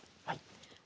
はい。